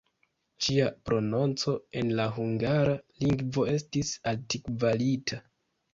Ŝia prononco en la hungara lingvo estis altkvalita.